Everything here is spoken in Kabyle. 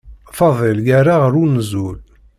Fadil yerra ɣer unẓul.